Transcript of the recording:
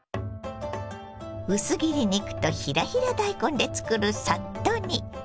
薄切り肉とひらひら大根で作るサッと煮。